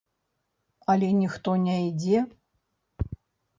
Але ніхто не ідзе.